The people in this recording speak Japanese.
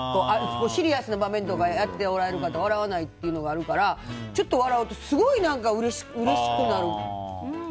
シリアスな場面とかやっておられる方は笑わないっていうのがあるからちょっと笑うとすごいうれしくなる。